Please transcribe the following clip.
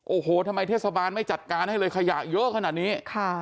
โอ้โหทำไมเทศบาลไม่จัดการให้เลยขยะเยอะขนาดนี้